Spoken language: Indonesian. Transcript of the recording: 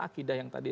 akidah yang tadi